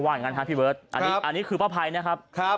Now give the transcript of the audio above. อันนี้คือป้าพัยนะครับ